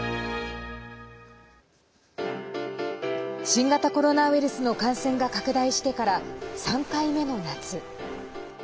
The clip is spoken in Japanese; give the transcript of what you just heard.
新型コロナウイルスの感染が拡大してから３回目の夏。